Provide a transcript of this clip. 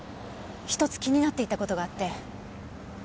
１つ気になっていた事があって。